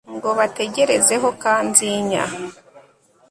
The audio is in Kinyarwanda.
ngo bategerezeho kanzinya